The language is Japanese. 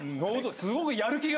すごくやる気が。